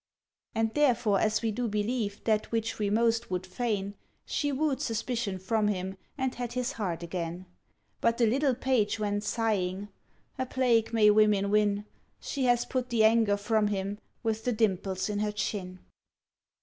And therefore, as we do believe that which we most would fain. She wooed suspicion from' him, and had his heart again. But the little page went sighing, ' A plague may women win — She has put the anger from him with the dimples in her chin.'